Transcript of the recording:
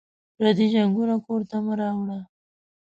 پردي جنګونه کور ته مه راوړه